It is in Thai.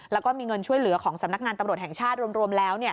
แล้วก็มีเงินช่วยเหลือของสำนักงานตำรวจแห่งชาติรวมแล้ว